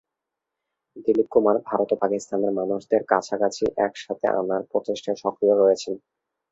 দিলীপ কুমার ভারত ও পাকিস্তানের মানুষদের কাছাকাছি একসাথে আনার প্রচেষ্টায় সক্রিয় রয়েছেন।